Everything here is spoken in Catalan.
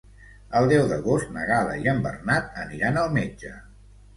El deu d'agost na Gal·la i en Bernat aniran al metge.